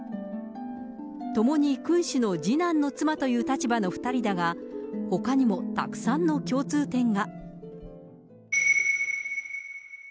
ともに君主の次男の妻という立場の２人だが、ほかにもたくさんの共通点が。